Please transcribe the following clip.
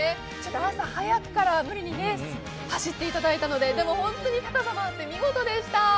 朝早くから無理に走っていただいので、でも本当に高さもあって見事でした。